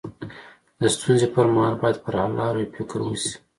د ستونزي پر مهال باید پر حل لارو يې فکر وسي.